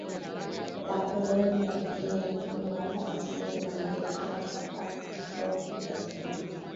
la koloni la Virginia Lakini baada ya ushindi Waingereza walikataa kumpa cheo katika jeshi